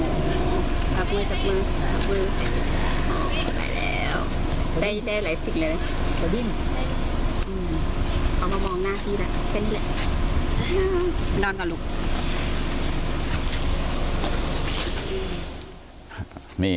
แด้ไลฟ์สติกเลยสะบิน